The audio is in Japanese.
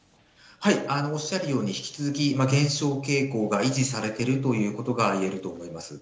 おっしゃるように、引き続き減少傾向が維持されてるということがいえると思います。